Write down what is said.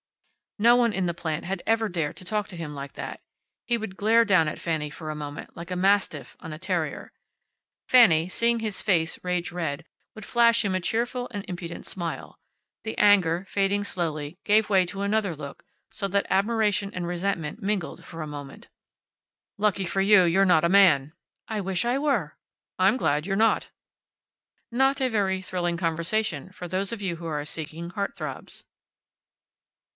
No one in the plant had ever dared to talk to him like that. He would glare down at Fanny for a moment, like a mastiff on a terrier. Fanny, seeing his face rage red, would flash him a cheerful and impudent smile. The anger, fading slowly, gave way to another look, so that admiration and resentment mingled for a moment. "Lucky for you you're not a man." "I wish I were." "I'm glad you're not." Not a very thrilling conversation for those of you who are seeking heartthrobs.